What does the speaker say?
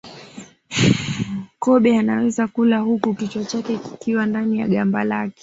Kobe anaweza kula huku kichwa chake kikiwa ndani ya gamba lake